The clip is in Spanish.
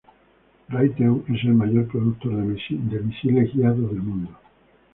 Raytheon es el mayor productor de misiles guiados del mundo.